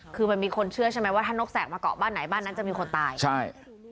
คือมันมีคนเชื่อใช่ไหมว่าถ้านกแกกมาเกาะบ้านไหนบ้านนั้นจะมีคนตายใช่